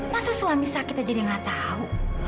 masa suami sakit aja dia nggak tahu